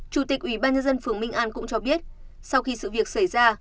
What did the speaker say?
chủ tịch ủy ban nhân dân phường minh an cũng cho biết sau khi sự việc xảy ra